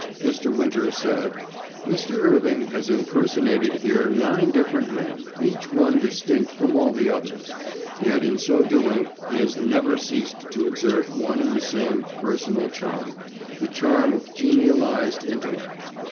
Mr. Winter said: "Mr. Irving has impersonated here nine different men, each one distinct from all the others. Yet in so doing he has never ceased to exert one and the same personal charm, the charm of genialised intellect.